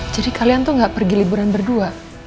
jadi kalian tuh enggak pergi liburan berdua